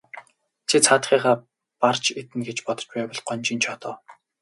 Чи цаадхыгаа барж иднэ гэж бодож байвал гонжийн жоо доо.